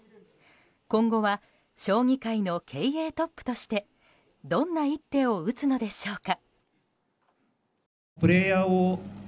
今後は将棋界の経営トップとしてどんな一手を打つのでしょうか。